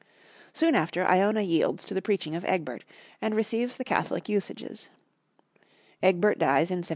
Soon after, Iona yields to the preaching of Egbert, and receives the Catholic usages. Egbert dies in 729.